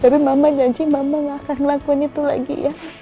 tapi mama janji mama gak akan ngelakuin itu lagi ya